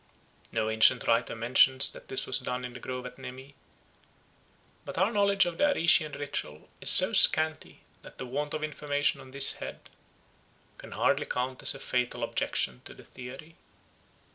No ancient writer mentions that this was done in the grove at Nemi; but our knowledge of the Arician ritual is so scanty that the want of information on this head can hardly count as a fatal objection to the theory.